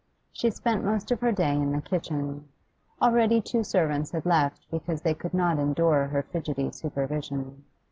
She spent most of her day in the kitchen; already two servants had left because they could not endure her fidgety supervision.